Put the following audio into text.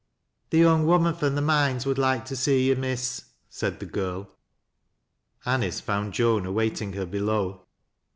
" The young woman from the mines would like to see you, Miss," said the girl. Anice found Joan awaiting her below.